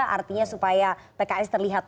artinya supaya pks terlihat